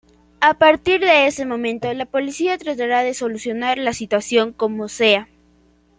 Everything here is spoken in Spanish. A partir de ese momento, la policía tratará de solucionar la situación como sea.